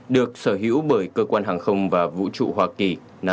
được sở hữu bởi cơ quan hàng không và vũ trụ hoa kỳ